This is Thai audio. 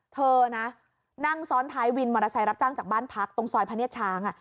เธอนะนั่งซ้อนท้ายวินมอเตอร์ไซค์รับจ้างจากบ้านพักตรงซอยพระเนียดช้าง